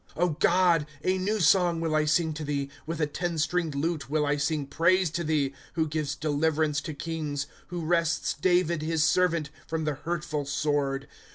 ^ G od, a new song will I sing to thee ; With a ten stringed lute will I sing praise to thee. ^° Who gives deliverance to kings ; Who wrests David, his servant, from the hurtful sword.